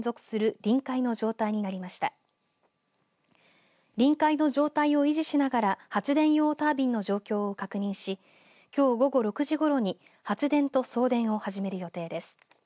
臨界の状態を維持しながら発電用タービンの状況を確認しきょう午後６時ごろに発電と送電を始める予定です。